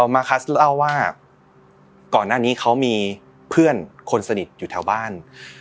มาคัสเล่าว่าก่อนหน้านี้เขามีเพื่อนคนสนิทอยู่แถวบ้าน